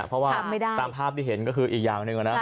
เพราะว่าตามภาพที่เห็นก็คืออีกอย่างหนึ่งนะ